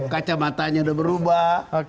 kacamatanya sudah berubah